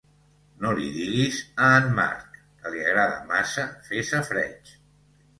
No li diguis a en Marc, que li agrada massa fer safareig.